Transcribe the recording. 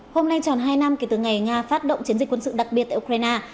hôm nay tròn hai năm kể từ ngày nga phát động chiến dịch quân sự đặc biệt tại ukraine